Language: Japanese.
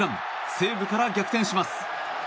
西武から逆転します。